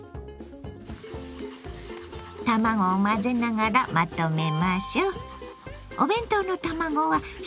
卵を混ぜながらまとめましょ。